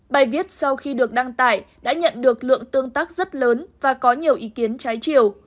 bài viết sau khi được đăng tải đã nhận được lượng tương tác rất lớn và có nhiều ý kiến trái chiều